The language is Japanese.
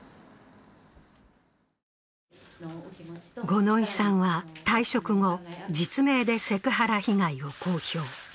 五ノ井さんは退職後、実名でセクハラ被害を公表。